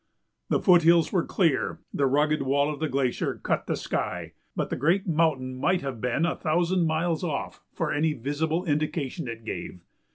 The foot hills were clear, the rugged wall of the glacier cut the sky, but the great mountain might have been a thousand miles off for any visible indication it gave.